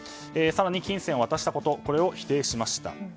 更に金銭を渡したことを否定しました。